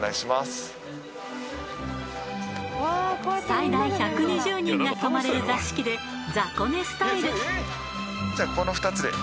最大１２０人が泊まれる座敷で雑魚寝スタイル。